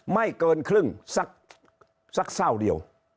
ไม่เกินครึ่งสักเศร้าเดียว